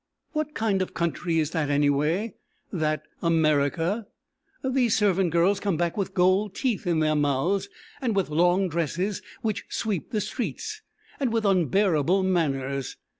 "What kind of country is that anyway, that America? These servant girls come back with gold teeth in their mouths, and with long dresses which sweep the streets, and with unbearable manners.